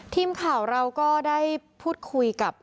ทีมข่าวเราก็ได้พูดคุยกับ